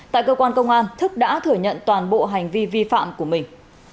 tại cơ quan công an thức đã thừa nhận toàn bộ hành vi vi phạm của mình